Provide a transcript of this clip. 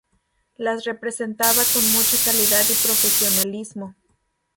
Las representaba con mucha calidad y profesionalismo.